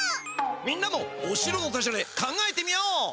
みんなもおしろのダジャレ考えてみよう！